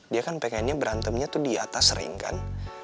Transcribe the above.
dia kan pengennya berantemnya tuh di atas sering kan